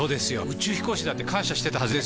宇宙飛行士だって感謝してたはずです！